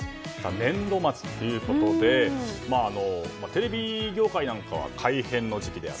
年度末ということでテレビ業界なんかは改編の時期で。